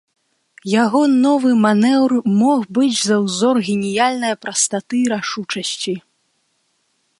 Яго новы манеўр мог быць за ўзор геніяльнае прастаты і рашучасці.